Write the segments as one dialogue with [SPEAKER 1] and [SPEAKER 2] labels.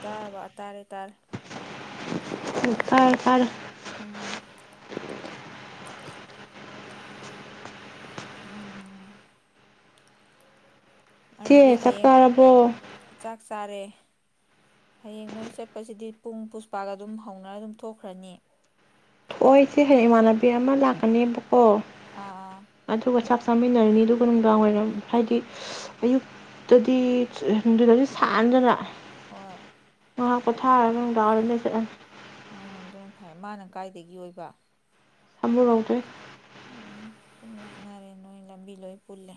[SPEAKER 1] ꯇꯔ ꯇꯥꯔꯦ ꯇꯥꯔꯦ
[SPEAKER 2] ꯏ ꯀꯔ ꯀꯔ ꯆꯦ ꯆꯥꯛ ꯆꯥꯔꯕꯣ
[SPEAKER 1] ꯆꯥꯔꯦ ꯍꯌꯦꯡ ꯅꯣꯏ ꯆꯠꯄꯁꯤꯗꯤ ꯄꯨꯡ ꯄꯨꯁꯄꯥꯒ ꯑꯗꯨꯝ ꯍꯧꯅꯔ ꯑꯗꯨꯝ ꯊꯣꯛꯈ꯭ꯔꯅꯤ
[SPEAKER 2] ꯑꯣꯏ ꯁꯤ ꯍꯌꯦꯡ ꯏꯃꯥꯟꯅꯕꯤ ꯑꯃ ꯂꯥꯛꯀꯅꯦꯕꯀꯣ ꯑꯗꯨꯒ ꯆꯥꯛ ꯆꯥꯃꯤꯟꯅꯔꯅꯤ ꯑꯗꯨꯒ ꯅꯨꯡꯗꯥꯡ ꯋꯥꯏꯔꯝ ꯍꯥꯏꯗꯤ ꯑꯌꯨꯛꯇꯨꯗꯤ ꯗꯨꯗꯗꯤ ꯁꯥꯔꯅꯤꯗꯅ ꯉꯥꯏꯍꯥꯛ ꯄꯣꯊꯥꯔꯒ ꯅꯨꯡꯗꯥꯡꯋꯥꯏꯔꯝꯗ ꯆꯠꯂꯅꯤ
[SPEAKER 1] ꯐꯔꯦ ꯃꯥꯅ ꯀꯥꯏꯗꯒꯤ ꯑꯣꯏꯕ ꯎꯝ ꯁꯨꯝ ꯅꯛꯅꯔꯦ ꯅꯣꯏꯅ ꯂꯝꯕꯤ ꯂꯣꯏ ꯄꯨꯜꯂꯦ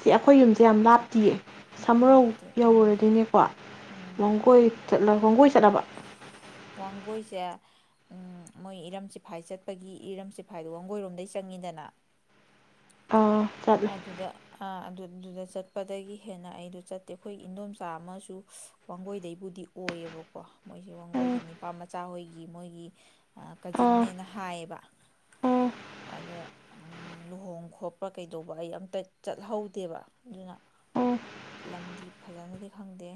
[SPEAKER 2] ꯁꯤ ꯑꯩꯈꯣꯏ ꯌꯨꯝꯁꯦ ꯌꯥꯝ ꯂꯥꯞꯇꯤꯌꯦ ꯁꯃꯨꯔꯧ ꯌꯧꯔꯗꯤꯅꯦꯀꯣ ꯋꯥꯡꯒꯣꯏ ꯋꯥꯡꯒꯣꯏ ꯆꯠꯂꯕ
[SPEAKER 1] ꯋꯥꯡꯒꯣꯏꯁꯦ ꯃꯣꯏ ꯏꯔꯝ ꯁꯤꯐꯥꯏ ꯆꯠꯄꯒꯤ ꯏꯔꯝ ꯁꯤꯐꯥꯏꯗꯣ ꯋꯥꯡꯒꯣꯏꯔꯣꯝꯗꯩ ꯆꯪꯉꯤꯗꯅ
[SPEAKER 2] ꯑꯥ ꯆꯠꯂꯦ
[SPEAKER 1] ꯑꯗꯨꯗ ꯆꯠꯄꯗꯒꯤ ꯍꯦꯟꯅ ꯑꯩꯗꯣ ꯆꯠꯇꯦ ꯑꯩꯈꯣꯏꯒꯤ ꯏꯗꯣꯝꯆꯥ ꯑꯃꯁꯨ ꯋꯥꯡꯒꯣꯏꯗꯩꯕꯨꯗꯤ ꯑꯣꯏꯌꯦꯕꯀꯣ ꯃꯣꯏꯁꯦ ꯋꯥꯡꯒꯣꯏꯒꯤ ꯅꯤꯄꯥ ꯃꯆꯥꯍꯣꯏꯒꯤ ꯃꯣꯏꯒꯤ ꯀꯖꯤꯟꯅꯦꯅ ꯍꯥꯏꯌꯦꯕ ꯑꯗ ꯂꯨꯍꯣꯡ ꯈꯣꯠꯄ ꯀꯩꯗꯧꯕ ꯑꯩ ꯑꯝꯇ ꯆꯠꯍꯧꯗꯦꯕ ꯑꯗꯨꯅ ꯂꯝꯗꯤ ꯐꯖꯅꯗꯤ ꯈꯪꯗꯦ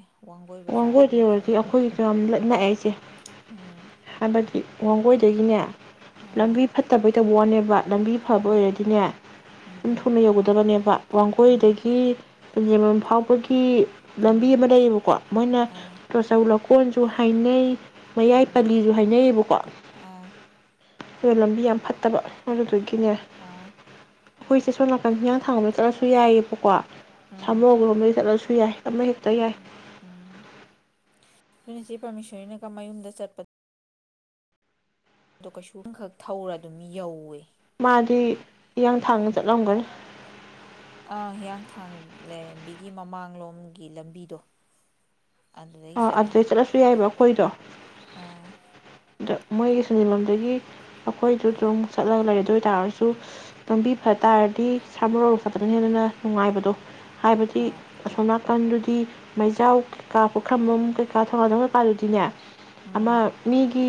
[SPEAKER 2] ꯋꯥꯡꯒꯣꯏꯗ ꯌꯧꯔꯗꯤ ꯑꯩꯈꯣꯏꯒꯤꯗꯨ ꯌꯥꯝ ꯂꯛꯑꯦ ꯑꯩꯁꯦ ꯍꯥꯏꯕꯗꯤ ꯋꯥꯡꯒꯣꯏꯗꯒꯤꯅꯦ ꯂꯝꯕꯤ ꯐꯠꯇꯕꯩ ꯇꯧꯕ ꯋꯥꯅꯦꯕ ꯂꯝꯕꯤ ꯐꯕ ꯑꯣꯏꯔꯗꯤꯅꯦ ꯌꯨꯝ ꯊꯨꯅ ꯌꯧꯒꯗꯕꯅꯦꯕ ꯋꯥꯡꯒꯣꯏꯗꯒꯤ ꯂꯟꯖꯦꯝꯕꯝ ꯐꯥꯎꯕꯒꯤ ꯂꯝꯕꯤ ꯑꯃ ꯂꯩꯌꯦꯕꯀꯣ ꯈꯣꯏꯅ ꯇꯣꯆꯧ ꯂꯧꯀꯣꯟꯁꯨ ꯍꯥꯏꯅꯩ ꯃꯌꯥꯏ ꯄꯂꯤꯁꯨ ꯍꯥꯏꯅꯩꯑꯌꯦꯕꯀꯣ ꯑ ꯂꯝꯕꯤ ꯌꯥꯝ ꯐꯠꯇꯕ ꯑꯗꯨꯗꯨꯒꯤꯅꯦ ꯑꯩꯈꯣꯏ
[SPEAKER 1] [unintelligible] ꯑꯗꯨꯅꯁꯤ ꯄꯔꯃꯦꯁꯣꯔꯤꯅꯒ ꯃꯌꯨꯝꯗ ꯆꯠꯄ ꯑꯗꯣ ꯀꯩꯁꯨ ꯑꯃꯈꯛ ꯊꯧꯔ ꯑꯗꯨꯝ ꯌꯧꯋꯦ
[SPEAKER 2] ꯃꯥꯗꯤ ꯏꯌꯥꯡꯊꯥꯡꯅ ꯆꯠꯂꯝꯒꯅꯤ
[SPEAKER 1] ꯑꯥ ꯍꯤꯌꯥꯡꯊꯥꯡ ꯂꯥꯏꯔꯦꯝꯕꯤꯒꯤ ꯃꯃꯥꯡꯂꯣꯝꯒꯤ ꯂꯝꯕꯤꯗꯣ ꯑꯗꯨꯗ ꯂꯩ ꯆꯠꯂꯦ ꯑꯥ
[SPEAKER 2] ꯃꯣꯏꯒꯤ ꯁꯤꯟꯅꯤ ꯂꯣꯗꯒꯤ ꯑꯩꯈꯣꯏꯁꯨ ꯑꯗꯨꯣꯡ ꯆꯠꯂꯒ ꯂꯩꯔꯗ ꯑꯣꯏꯇꯥꯥꯔꯁꯨ ꯂꯝꯕꯤ ꯐ ꯇꯥꯔꯗꯤ ꯁꯥꯃꯔꯣꯜ ꯈꯛꯇꯅ ꯍꯦꯟꯅꯟꯅ ꯅꯨꯡꯉꯥꯏꯕꯗꯣ ꯍꯥꯏꯕꯗꯤ ꯑꯁꯣꯝ ꯅꯥꯀꯟꯗꯨꯗꯤ ꯃꯩꯖꯥꯎ ꯀꯩꯀꯥ ꯄꯨꯈ꯭ꯔꯝꯝ ꯀꯩꯀꯥ ꯊꯧꯒꯥꯜꯖ ꯀꯩꯀꯥꯗꯨꯗꯤꯅꯦ ꯑꯃ ꯃꯤꯒꯤ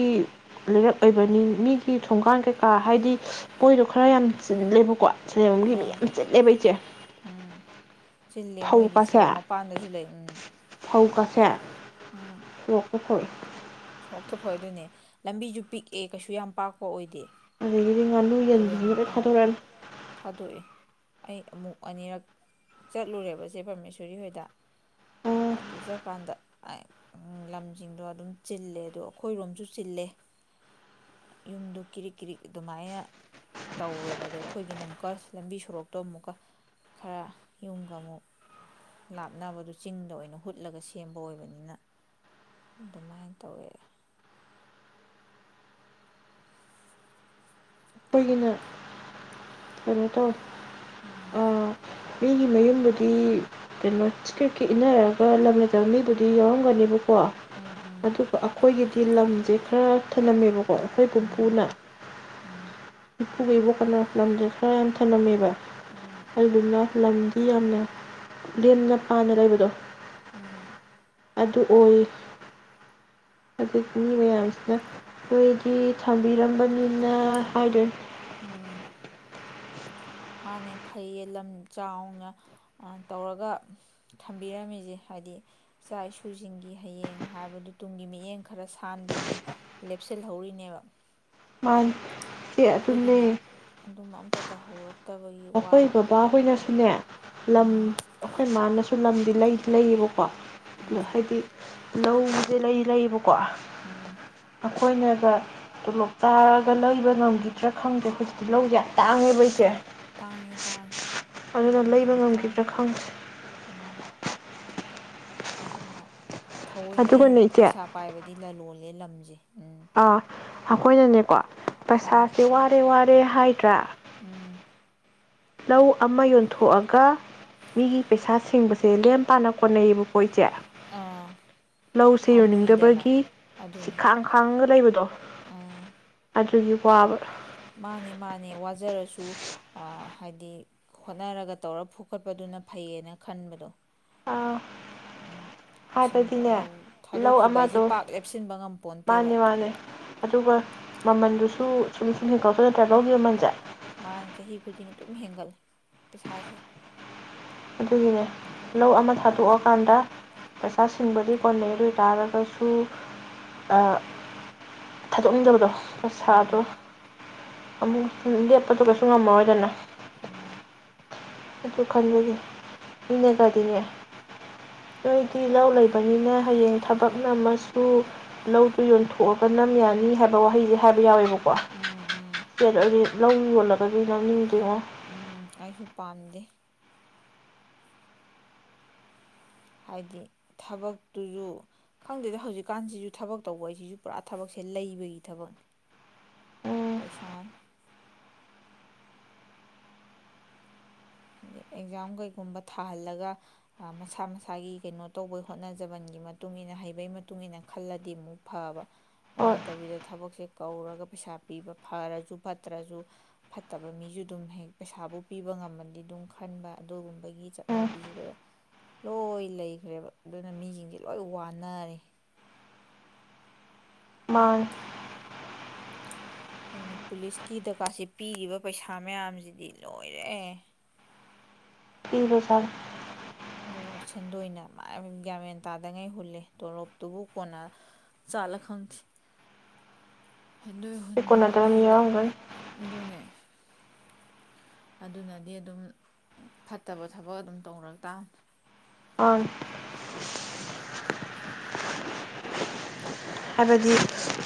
[SPEAKER 2] ꯂꯩꯔꯛ ꯑꯣꯏꯕꯅꯤ ꯃꯤꯒꯤ ꯊꯣꯡꯒꯥꯟ ꯀꯩ ꯀ ꯍꯥꯏꯗꯤ ꯄꯣꯏꯗꯣ ꯈꯔ ꯌꯥꯝ ꯆꯤꯜꯂꯦꯕꯀꯣ ꯁꯦꯜꯒꯤ ꯃꯤ ꯌꯥꯝ ꯆꯤꯜꯂꯦꯕ ꯑꯩꯁꯦ
[SPEAKER 1] ꯁꯤꯜꯂꯦ ꯃꯣꯏꯗꯤ ꯁꯣꯔꯣꯛ ꯃꯄꯥꯟꯗꯁꯨ ꯂꯩ ꯎꯝ ꯎꯝ ꯍꯣꯛꯇ ꯐ ꯑꯗꯨꯅꯦ ꯂꯝꯕꯤꯁꯨ ꯄꯤꯛꯑꯦ ꯀꯩꯁꯨ ꯌꯥꯝ ꯄꯥꯛꯄ ꯑꯣꯏꯗꯦ
[SPEAKER 2] ꯑꯗꯒꯤꯗꯤ ꯉꯥꯅꯨ ꯌꯦꯟꯕ ꯊꯥꯗꯣꯔꯅꯤ
[SPEAKER 1] ꯑꯩ ꯑꯃꯨꯛ ꯑꯅꯤꯔꯛ ꯆꯠꯂꯨꯔꯦꯕꯁꯦ ꯄꯔꯃꯦꯁꯣꯔꯤ ꯍꯣꯏꯗ ꯑꯗꯨ ꯆꯀꯥꯟꯗ ꯂꯝꯁꯤꯡꯗꯣ ꯑꯗꯨꯝ ꯆꯤꯜꯂꯦ ꯑꯗꯣ ꯑꯩꯈꯣꯏꯔꯣꯝꯁꯨ ꯆꯤꯜꯂꯦ ꯌꯨꯝꯗ ꯀꯤꯔꯤꯛ ꯀꯤꯔꯤꯛ ꯑꯗꯨꯃꯥꯏꯅ ꯇꯧꯋꯦꯕ ꯑꯗ ꯑꯩꯈꯣꯏꯒꯤꯅ ꯑꯃꯨꯛꯀ ꯂꯝꯕꯤ ꯁꯣꯔꯣꯛꯇꯣ ꯑꯃꯨꯛꯀ ꯈꯔ ꯌꯨꯝꯒ ꯑꯃꯨꯛ ꯂꯥꯞꯅꯕꯗ ꯆꯤꯡꯗ ꯑꯣꯏꯅ ꯍꯨꯠꯂꯒ ꯁꯦꯝꯕ ꯑꯣꯏꯕꯅꯤꯅ ꯑꯗꯨꯃꯥꯏꯅ ꯇꯧꯋꯦ
[SPEAKER 2] ꯑꯩꯈꯣꯏꯒꯤꯅ ꯀꯩꯅꯣ ꯇꯧꯋ ꯎꯝ ꯃꯤꯒꯤ ꯃꯌꯨꯝꯕꯨꯗꯤ ꯀꯩꯅꯣ ꯏꯁꯀ꯭ꯔꯤꯞꯀꯤ ꯏꯟꯅꯔꯒ ꯈꯔ ꯂꯝ ꯂꯩꯇꯕ ꯃꯤꯕꯨꯗꯤ ꯌꯥꯎꯔꯝꯒꯅꯦꯕꯀꯣ ꯑꯗꯨꯒ ꯑꯩꯈꯣꯏꯒꯤꯗꯤ ꯂꯝꯁꯦ ꯈꯔ ꯊꯂꯝꯝꯃꯦꯕꯀꯣ ꯑꯩꯈꯣꯏ ꯄꯨꯝꯄꯨꯅ ꯏꯄꯨꯒꯤ ꯏꯕꯣꯛ ꯀꯅ ꯂꯝꯁꯦ ꯈꯔ ꯌꯥꯝ ꯊꯅꯝꯃꯦꯕ ꯑꯗꯨꯗꯨꯅ ꯂꯝꯗꯤ ꯌꯥꯝꯅ ꯂꯦꯝꯅ ꯄꯥꯅ ꯂꯩꯕꯗꯣ ꯑꯗꯨ ꯑꯣꯏ ꯍꯧꯛ ꯃꯤ ꯃꯌꯥꯝꯁꯤꯅ ꯑꯩꯈꯣꯏꯗꯤ ꯊꯝꯕꯤꯔꯝꯕꯅꯤꯅ ꯍꯥꯏꯗꯦ
[SPEAKER 1] ꯃꯥꯅꯦ ꯐꯩꯌꯦ ꯂꯝ ꯆꯥꯎꯅ ꯇꯧꯔꯒ ꯊꯝꯕꯤꯔꯝꯃꯤꯁꯦ ꯍꯥꯏꯗꯤ ꯏꯆꯥ ꯏꯁꯨꯁꯤꯡꯒꯤ ꯍꯌꯦꯡ ꯍꯥꯏꯕꯗꯨ ꯇꯨꯡꯒꯤ ꯃꯤꯠꯌꯦꯡ ꯈ ꯈꯔ ꯁꯥꯟꯕꯒꯤ ꯂꯦꯞꯁꯤꯜꯍꯧꯔꯤꯅꯦꯕ
[SPEAKER 2] ꯃꯥ ꯆꯦ ꯑꯗꯨꯂꯅꯦ
[SPEAKER 1] ꯇ ꯍꯧꯔꯛ
[SPEAKER 2] ꯑꯩꯈꯣꯏ ꯕꯕꯥꯍꯣꯏꯅꯁꯨꯅꯦ ꯂꯝ ꯑꯩꯈꯣꯏ ꯃꯥꯅꯁꯨ ꯂꯝꯗꯤ ꯂꯩꯗꯤ ꯂꯩꯌꯦꯕꯀꯣ ꯑ ꯍꯥꯏꯗꯤ ꯂꯧ ꯂꯩꯌꯦꯕ ꯀꯣ ꯑꯩꯈꯣꯏꯅꯒ ꯇꯣꯂꯣꯞ ꯇꯥꯔꯒ ꯂꯩꯕ ꯉꯝꯈꯤꯗ꯭ꯔꯥ ꯈꯪꯗꯦ ꯍꯧꯖꯤꯛꯇꯤ ꯂꯧꯁꯦ ꯌꯥꯝ ꯇꯥꯡꯉꯦꯕ ꯑꯩꯁꯦ
[SPEAKER 1] ꯇꯥꯡꯉꯤ ꯇꯥꯡ ꯂꯝ ꯌꯥꯝ ꯇꯥꯡ ꯎ ꯑꯗꯨꯅ ꯊꯑꯣꯏꯉꯩ ꯄꯩꯁꯥ ꯄꯥꯏꯕꯗꯤ ꯣꯜꯂꯦ ꯂꯝꯁꯦ
[SPEAKER 2] ꯑ ꯑꯩꯈꯣꯏꯅꯅꯦꯀꯣ ꯄꯩꯁꯥꯁꯦ ꯋꯥꯔꯦ ꯋꯥꯔꯦ ꯍꯥꯏꯗ꯭ꯔꯥ ꯂꯧ ꯑꯃ ꯌꯣꯟꯊꯣꯛꯑꯒ ꯃꯤꯒꯤ ꯄꯩꯁꯥ ꯁꯁꯤꯡꯕꯁꯦ ꯂꯦꯝ ꯄꯥꯅ ꯀꯣꯟꯅꯩꯌꯦꯕꯀꯣ ꯏꯆꯦ ꯂꯧꯁꯦ ꯌꯣꯟꯅꯤꯡꯗꯕꯒꯤ ꯈꯥꯡ ꯈꯥꯡꯒ ꯂꯩꯕꯗꯣ ꯑꯗꯨꯒꯤ
[SPEAKER 1] ꯃꯥꯅꯦ ꯃꯥꯅꯦ ꯋꯥꯖꯔꯁꯨ ꯍꯥꯏꯗꯤ ꯍꯣꯠꯅꯔꯒ ꯇꯧꯔ ꯐꯣꯀꯠꯄꯗꯨꯅ ꯐꯩꯌꯦꯅ ꯈꯟꯕꯗꯣ ꯁꯦꯡꯕ ꯂꯧ ꯊꯥꯗꯣꯛꯈꯤꯕ ꯑꯩꯁꯦ ꯄꯥꯛ ꯂꯦꯞꯁꯤꯟꯕ ꯉꯝꯄꯣꯟꯇꯦꯕ
[SPEAKER 2] ꯃꯃꯜꯗꯨꯁꯨ ꯁꯨꯝ ꯁꯨꯝ ꯍꯦꯟꯀꯠ
[SPEAKER 1] ꯃꯥꯥꯡ ꯆꯍꯤ ꯈꯨꯗꯤꯡꯒꯤ ꯑꯗꯨꯝ ꯍꯦꯟꯒꯠꯂꯦ ꯄꯩꯁꯥꯁꯦ
[SPEAKER 2] ꯑꯗꯨꯒꯤꯅꯦ ꯂꯧ ꯑꯃ ꯊꯥꯗꯣꯛꯑꯀꯥꯟꯗ ꯄꯩꯁꯥ ꯁꯤꯡꯕꯗꯤ ꯀꯣꯟꯅꯩ ꯑꯗꯨ ꯑꯣꯏꯇꯥꯥꯔꯒꯁꯨ ꯊꯥꯗꯣꯛꯅꯤꯡꯗꯕꯗꯣ ꯄꯩꯁꯥꯗꯣ ꯑꯃꯨꯛ ꯂꯦꯞ ꯀꯩꯁꯨ ꯉꯝꯃꯔꯣꯏꯗꯅ ꯑꯗꯨ ꯈꯜꯂꯤꯅꯦ ꯃꯤꯅꯒꯗꯤꯅꯦ ꯅꯣꯏꯗꯤ ꯂꯧ ꯂꯩꯕꯅꯤꯅ ꯍꯌꯦꯡ ꯊꯕꯛ ꯅꯝꯃꯁꯨ ꯂꯧꯗꯣ ꯌꯣꯟꯊꯣꯛꯑꯒ ꯅꯝ ꯌꯥꯅꯤ ꯍꯥꯏꯕ ꯋꯥꯍꯩꯁꯦ ꯍꯥꯏꯕ ꯌꯥꯎꯋꯦꯕꯀꯣ ꯆꯦꯠ ꯑꯣꯏꯗꯤ ꯂꯧ ꯌꯣꯜꯂꯄ
[SPEAKER 1] ꯎꯝ ꯑꯩꯁꯨ ꯄꯥꯝ ꯑꯦ ꯍꯥꯏꯗꯤ ꯊꯕꯛꯇꯨꯁꯨ ꯈꯪꯗꯦꯗ ꯍꯧꯖꯤꯛꯀꯥꯟꯁꯤꯁꯨ ꯊꯕꯛ ꯇꯧꯕ ꯍꯥꯏꯁꯤꯁꯨ ꯄꯨꯔꯥ ꯊꯕꯛꯁꯦ ꯂꯩꯕꯒꯤ ꯊꯕꯛꯅꯤ ꯄꯩꯁꯥꯅ ꯑ ꯑꯦꯛꯖꯥꯝ ꯀꯩꯒꯨꯝꯕ ꯊꯥꯍꯜꯂꯒ ꯃꯁꯥ ꯃꯁꯥꯒꯤ ꯀꯩꯅꯣ ꯇꯧꯕꯩ ꯍꯣꯠꯅꯖꯕꯟꯒꯤ ꯃꯇꯨꯡ ꯏ ꯃꯇꯨꯡꯏꯟꯅ ꯍꯩꯕꯒꯤ ꯃꯇꯨꯡ ꯏ ꯃꯇꯨꯡꯏꯟꯅ ꯈꯜꯂꯗꯤ ꯑꯃꯨꯛ ꯐꯕ ꯑꯗꯨ ꯅꯠꯇꯕꯤꯗ ꯊꯕꯛꯁꯦ ꯀꯧꯔꯒ ꯄꯩꯁꯥ ꯄꯤꯕ ꯐꯔꯁꯨ ꯐꯠꯇ꯭ꯔꯁꯨ ꯐꯠꯇꯕ ꯃꯤꯁꯨ ꯑꯗꯨꯝ ꯍꯦꯛ ꯄꯩꯁꯥꯕꯨ ꯄꯤꯕ ꯉꯝꯃ ꯑꯗꯨꯝ ꯈꯟꯕ ꯑꯗꯨꯒꯨꯝꯕꯒꯤ ꯆꯠꯅꯕꯤꯁꯤꯗ ꯂꯣꯏ ꯂꯩꯈ꯭ꯔꯦꯕ ꯑꯗꯨꯅ ꯃꯤꯁꯤꯡꯁꯦ ꯂꯣꯏ ꯋꯥꯅꯔꯦ
[SPEAKER 2] ꯃꯥꯥꯅꯦ
[SPEAKER 1] ꯑꯗꯨꯅꯤ ꯄꯨꯂꯤꯁꯀꯤ ꯗꯀꯥꯔꯁꯤ ꯄꯤꯔꯤꯕ ꯄꯩꯁꯥ ꯃꯌꯥꯝꯁꯤꯗꯤ ꯂꯣꯏꯔꯦ
[SPEAKER 2] ꯐꯔꯤ ꯄꯩꯁꯥꯅꯦ
[SPEAKER 1] ꯑꯗꯨꯒ ꯁꯦꯟꯗꯣꯏꯅ ꯒꯌꯥꯃꯦꯟ ꯇꯥꯗꯉꯩ ꯍꯨꯜꯂꯦ ꯇꯂꯣꯞꯇꯨꯕꯨ ꯀꯣꯟꯅꯥ ꯆꯥꯠꯂ ꯈꯪꯁꯤꯦ ꯁꯦꯟꯗꯣꯏ ꯍꯨꯟꯕ ꯍꯣꯠꯅꯕꯗ ꯑꯗꯨꯅꯦ ꯑꯗꯨꯅꯗꯤ ꯑꯗꯨꯝ ꯐꯠꯇꯕ ꯊꯕꯛ ꯑꯗꯨꯝ ꯇꯧꯔ ꯇꯥꯅꯤ
[SPEAKER 2] ꯑꯣꯟ ꯍꯥꯏꯕꯗꯤ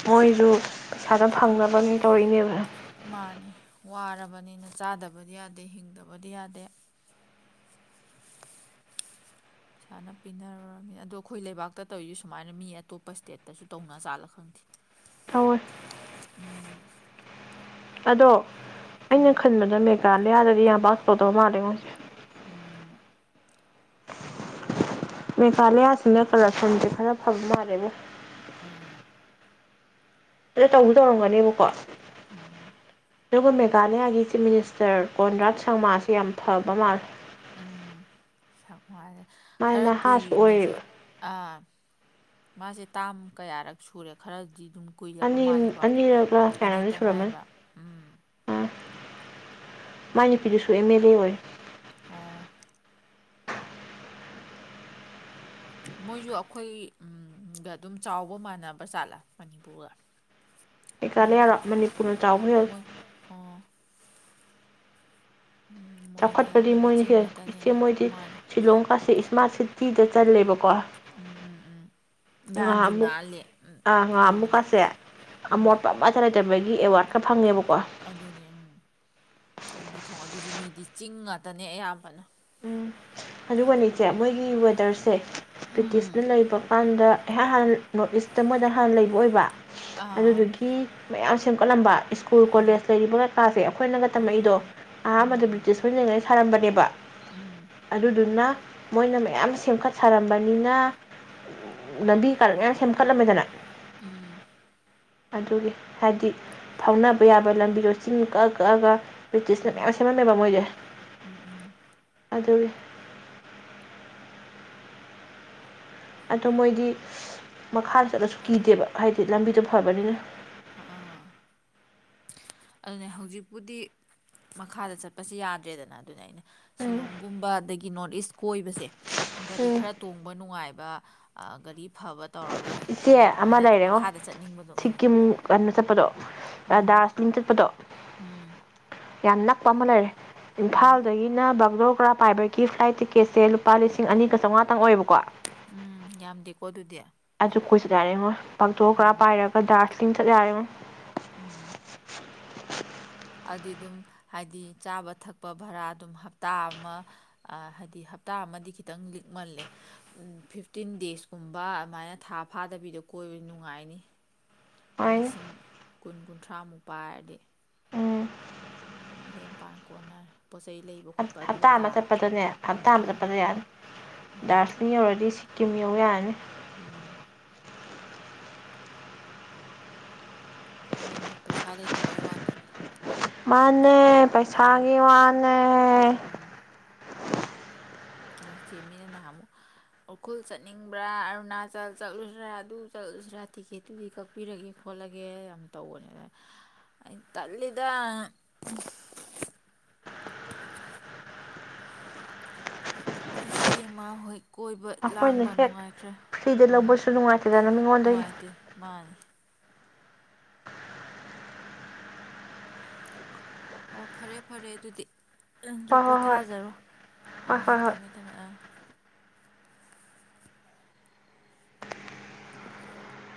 [SPEAKER 2] ꯃꯣꯏꯁꯨ ꯄꯩꯁꯥꯗꯣ ꯐꯪꯅꯕ ꯇꯧꯔꯛꯏꯅꯦꯕ
[SPEAKER 1] ꯋꯥꯔꯕꯅꯤꯅ ꯆꯥꯗꯕꯗꯤ ꯌꯥꯗꯦ ꯍꯤꯡꯗꯕꯗꯤ ꯌꯥꯗꯦ ꯄꯩꯁꯥꯅ ꯄꯤꯅꯔꯃꯤ ꯑꯗꯣ ꯑꯩꯈꯣꯏ ꯂꯩꯕꯥꯛꯇ ꯇꯧꯔꯤꯁꯤ ꯁꯨꯃꯥꯏꯅ ꯃꯤ ꯑꯇꯣꯞꯄ ꯏꯁꯇꯦꯠꯇꯁꯨ ꯇꯧꯅ ꯆꯥꯠꯂ ꯈꯪꯗꯦ ꯎꯝ ꯑꯗꯣ ꯑꯩꯅ ꯈꯟꯕꯗ ꯃꯦꯒꯥꯂꯌꯥꯗꯗꯤ ꯌꯥꯝ ꯄꯥꯛ ꯇꯧꯗꯕ ꯃꯥꯜꯂꯦ ꯎꯝ꯫ ꯎꯝ ꯇꯧꯔꯝꯒꯅꯦꯕꯀꯣ ꯑꯗꯨꯒ ꯃꯦꯘꯌꯥꯒꯤꯁꯇꯔ ꯁꯔꯃꯁꯤ ꯌꯥꯝ ꯐꯕ ꯃꯥ ꯁꯝ ꯃꯥꯅꯦ ꯈꯔ ꯀꯨꯏꯅꯁꯨ ꯑꯣꯏ ꯑꯥ꯫ ꯃꯥꯁꯦ ꯇꯥꯝ ꯀꯌꯥꯔꯛ ꯁꯨꯔꯦ ꯈꯔꯗꯤ ꯑꯗꯨꯝ ꯀꯨꯏꯗꯕ ꯃꯥꯜꯂꯦꯀꯣ ꯑꯅꯤꯛꯇ ꯉꯥꯏꯕ ꯎꯝ ꯑꯣ ꯃꯣꯏꯁꯨ ꯑꯩꯈꯣꯏꯒ ꯑꯗꯨꯝ ꯆꯥꯎꯕ ꯃꯥꯟꯅꯕ ꯆꯥꯠꯂꯥ ꯃꯅꯤꯄꯨꯔꯒ
[SPEAKER 2] ꯀꯩꯀꯥꯂꯌꯥꯔꯣ ꯃꯅꯤꯄꯨꯔꯅ ꯆꯥꯎꯈ꯭ꯔ ꯆꯥꯎꯈꯠꯄꯗꯤ ꯃꯣꯏꯅꯤꯁꯦ ꯏꯆꯦ ꯃꯣꯏꯗꯤ ꯁꯤꯂꯣꯡꯀꯥꯁꯦ ꯏꯁꯃꯥꯔꯠ ꯁꯤꯇꯤꯗ ꯆꯜꯂꯦꯕꯀꯣ ꯉꯥ ꯑꯃꯨꯛ ꯉꯥ ꯑꯃꯨꯛꯀꯥꯁꯦ ꯑꯃꯣꯠꯄ ꯑꯃꯠꯇ ꯂꯩꯇꯕꯒꯤ ꯑꯦꯋꯥꯔꯗꯀꯔ ꯐꯪꯉꯦꯕꯀꯣ
[SPEAKER 1] ꯊꯣꯡ ꯑꯗꯨꯁꯨ ꯃꯤꯗꯤ ꯆꯤꯡ ꯉꯥꯛꯇꯅꯦ ꯑꯌꯥꯝꯕꯅ
[SPEAKER 2] ꯎꯝ ꯑꯗꯨꯒꯅꯤꯆꯦ ꯃꯣꯏꯒꯤ ꯗꯔꯁꯦ ꯕ꯭ꯔꯤꯇꯤꯁꯅ ꯂꯩꯕ ꯀꯥꯟꯗ ꯑꯩꯍꯥꯛ ꯍꯥꯟ ꯅꯣꯔꯠ ꯏꯁꯇ ꯃꯣꯏꯗ ꯍꯥꯟꯅ ꯂꯩꯕ ꯑꯣꯏꯕ ꯑꯗꯨꯗꯨꯒꯤ ꯃꯌꯥꯝ ꯁꯦꯝꯒꯠꯂꯝꯕ ꯁ꯭ꯀꯨꯜ ꯀꯣꯂꯦꯖ ꯂꯩꯔꯤꯕ ꯀꯥꯁꯤꯦ ꯑꯩꯈꯣꯏꯅꯒ ꯇꯝꯃꯛꯏꯗꯣ ꯑꯍꯥꯟꯕꯗꯣ ꯕ꯭ꯔꯤꯇꯤꯁ ꯍꯉꯩ ꯁꯥꯔꯝꯕꯅꯦꯕ ꯑꯗꯨ ꯑꯗꯨꯅ ꯃꯣꯏꯅ ꯃꯌꯥꯝ ꯁꯦꯝꯒꯠ ꯁꯥꯔꯝꯕꯅꯤꯅ ꯂꯝꯕꯤ ꯀꯥꯔꯛ ꯃ ꯁꯦꯝꯈꯠꯂꯝꯃꯦꯗꯅ ꯑꯗꯨꯒꯤ ꯍꯥꯏꯕꯗꯤ ꯐꯥꯎꯅꯕ ꯌꯥꯕ ꯂꯝꯕꯤꯗꯣ ꯆꯤꯟ ꯀꯛꯑ ꯀꯛꯑꯒ ꯕ꯭ꯔꯤꯇꯤꯁꯅ ꯃꯌꯥꯝ ꯁꯦꯝꯃꯟꯅꯕ ꯃꯣꯏꯁꯦ ꯑꯗꯨꯒꯤ ꯑꯗꯨ ꯃꯣꯏꯗꯤ ꯃꯈꯥ ꯀꯅꯁꯨ ꯀꯤꯗꯦꯕ ꯍꯥꯏꯗꯤ ꯂꯝꯕꯤꯗꯣ ꯐꯕꯅꯤꯅ
[SPEAKER 1] ꯑꯗꯨꯅꯦ ꯍꯧꯖꯤꯛꯄꯨꯗꯤ ꯃꯈꯥꯗ ꯆꯠꯄꯁꯦ ꯌꯥꯗ꯭ꯔꯦꯗꯅ ꯑꯗꯨꯅꯦ ꯑꯩꯅ ꯁꯤꯂꯣꯡꯒꯨꯝꯕ ꯑꯗꯒꯤ ꯅꯣꯔꯠ ꯏꯁ ꯀꯣꯏꯕꯁꯦ ꯒꯥꯔꯤ ꯈꯔ ꯇꯣꯡꯕ ꯅꯨꯡꯉꯥꯏꯕ ꯒꯥꯔꯤ ꯐꯕ ꯇꯧꯔꯒ
[SPEAKER 2] ꯏꯆꯦ ꯑꯃ ꯂꯩꯔꯦꯉꯣ ꯁꯤꯀꯤꯝ ꯆꯠꯄꯗꯣ ꯗꯥꯔꯁꯤꯂꯤꯡ ꯆꯠꯄꯗꯣ ꯌꯥꯝ ꯅꯛꯄ ꯑꯃ ꯂꯩꯔꯦ ꯏꯝꯐꯥꯜꯗꯒꯤꯅ ꯕꯒ꯭ꯂꯣꯔ ꯣꯔꯥ ꯄꯥꯏꯕꯒꯤ ꯐ꯭ꯂꯥꯏꯠ ꯇꯤꯛꯀꯦꯠꯁꯦ ꯂꯨꯄꯥ ꯂꯤꯁꯤꯡ ꯑꯅꯤꯒ ꯆꯥꯃꯉꯥꯇꯪ ꯑꯣꯏꯌꯦꯕꯀꯣ ꯑꯗꯨ ꯀꯣꯏ ꯆꯠ ꯌꯥꯔꯦ ꯃꯣꯏ ꯄꯥꯛꯊꯣꯛ ꯈꯔ ꯄꯥꯏꯔꯒ ꯗꯥꯔꯖꯤꯂꯤꯡ ꯆꯠ ꯌꯥꯔꯦ ꯃꯣꯏ
[SPEAKER 1] ꯑꯗꯨꯗꯤ ꯑꯗꯨꯝ ꯍꯥꯏꯗꯤ ꯆꯥꯕ ꯊꯛꯄ ꯚꯔꯥ ꯑꯗꯨꯝ ꯍꯞꯇꯥ ꯑꯃ ꯍꯥꯏꯗꯤ ꯍꯞꯇꯥ ꯑꯃꯗꯤ ꯈꯤꯇꯪ ꯂꯤꯛꯃꯜꯂꯦ ꯐꯤꯐꯇꯤꯟ ꯗꯦꯖꯀꯨꯝꯕ ꯑꯗꯨꯃꯥꯏꯅ ꯊꯥ ꯐꯥꯗꯕꯤꯗꯣ ꯀꯣꯏꯕ ꯅꯨꯡꯉꯥꯏꯅꯤ ꯂꯄꯥ ꯂꯤꯁꯤꯡ ꯀꯨꯟꯒꯨꯟ ꯀꯨꯟꯊ꯭ꯔꯥ ꯃꯨꯛꯄꯥ ꯍꯥꯏꯔꯗꯤ ꯂꯦꯝꯄꯥꯟ ꯀꯣꯟꯅꯔꯦ
[SPEAKER 2] ꯍꯞꯇꯥ ꯑꯃ ꯆꯠꯄꯗꯅꯦ ꯍꯞꯇꯥ ꯑꯃ ꯆꯠꯄꯗ ꯌꯥꯅꯤ ꯗꯥꯔꯖꯂꯤꯡ ꯌꯧꯔꯗꯤ ꯁꯤ ꯀꯃꯃꯦꯒꯅ
[SPEAKER 1] ꯎꯝ ꯀꯣꯏꯅꯤꯡꯉꯤ ꯄꯩꯁꯥ ꯂꯩꯇꯕꯩ ꯋꯥꯇꯅꯤ
[SPEAKER 2] ꯃꯥꯅꯤ ꯅꯦ ꯄꯩꯁꯥꯒꯤ ꯋꯥꯅꯦ
[SPEAKER 1] ꯑ ꯆꯦ ꯃꯤꯅ ꯅꯍꯥꯟ ꯑꯃꯨꯛ ꯎꯈ꯭ꯔꯨꯜ ꯆꯠꯅꯤꯡꯕ꯭ꯔꯥ ꯑꯔꯨꯅꯥꯆꯜ ꯆꯠꯂꯨꯁꯤꯔꯥ ꯑꯗꯨ ꯆꯠꯂꯨꯁꯤꯔꯥ ꯇꯤꯛꯀꯦꯠꯇꯨꯗꯤ ꯀꯛꯄꯤꯔꯒꯦ ꯈꯣꯠꯂꯒꯦ ꯌꯥꯝ ꯇꯧꯕꯅꯦ ꯑꯗ ꯑ ꯇꯂꯤꯗ ꯏꯁꯤꯡꯃ ꯍꯣꯏ ꯀꯣꯏꯕ ꯂꯥꯡꯕ ꯅꯨꯡꯉꯥꯏꯈ꯭ꯔꯦ ꯎꯝ ꯅꯨꯡꯉꯥꯏꯇꯦ ꯃꯥꯅꯤ ꯍꯣ ꯐꯔꯦ ꯐꯔꯦ ꯑꯗꯨꯗꯤ ꯅꯪꯁꯨ ꯄꯣꯊꯥꯖꯔꯣ ꯎꯝ ꯊꯃꯦ ꯊꯕꯃꯦ ꯑꯥ